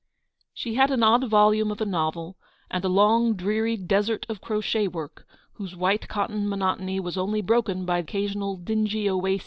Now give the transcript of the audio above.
She had an odd volume of a novel, and a long, dreary desert of crochet work, whose white cotton monotony was only broken by occasional dingy 6 ELEANOR S VICTORY.